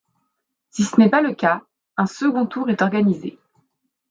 Si ce n'est pas le cas, un second tour est organisé.